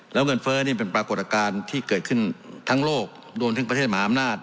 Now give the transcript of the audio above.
แล้วเงินเฟ้อนี่เป็นปรากฏการณ์ที่เกิดขึ้นทั้งโลกรวมถึงประเทศมหาอำนาจ